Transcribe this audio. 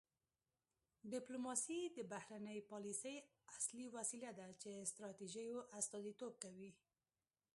ډیپلوماسي د بهرنۍ پالیسۍ اصلي وسیله ده چې ستراتیژیو استازیتوب کوي